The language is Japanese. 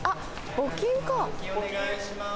・募金お願いします